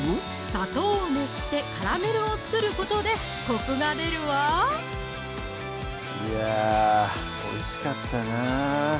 砂糖を熱してカラメルを作ることでコクが出るわいやおいしかったなぁ